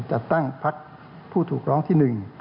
จะตั้งพักผู้ถูร้องที่หนึ่ง